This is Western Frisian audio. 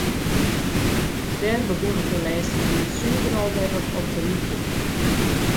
Dêr begûn it de lêste tiid suver al wer wat op te lykjen.